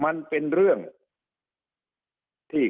มันเป็นเรื่องที่ธนาคารแห่งประเทศไทย